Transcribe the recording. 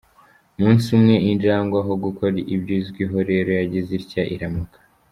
Umunsi umwe injangwe aho gukora ibyo izwiho rero yagize itya iramoka.